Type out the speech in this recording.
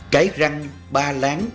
cái răng ba láng